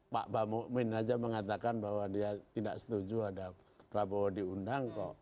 pak bamumin ⁇ aja mengatakan bahwa dia tidak setuju ada prabowo diundang kok